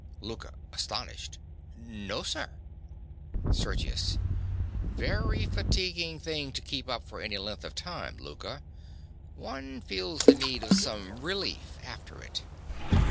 LOUKA. (astonished). No, sir. SERGIUS. Very fatiguing thing to keep up for any length of time, Louka. One feels the need of some relief after it.